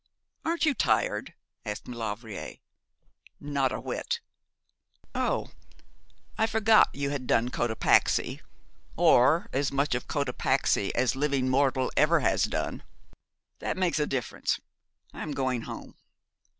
'Aren't you tired?' asked Maulevrier. 'Not a whit.' 'Oh, I forgot you had done Cotapaxi, or as much of Cotapaxi as living mortal ever has done. That makes a difference. I am going home.'